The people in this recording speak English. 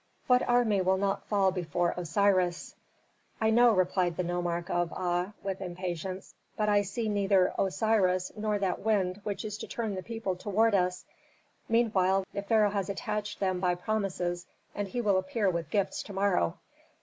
"What army will not fall before Osiris?" "I know," replied the nomarch of Aa, with impatience, "but I see neither Osiris nor that wind which is to turn the people toward us. Meanwhile, the pharaoh has attached them by promises, and he will appear with gifts to morrow."